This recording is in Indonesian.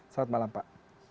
selamat malam pak